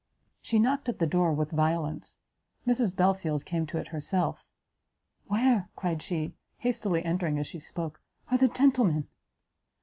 She knocked at the door with violence; Mrs Belfield came to it herself; "Where," cried she, hastily entering as she spoke, "are the gentlemen?"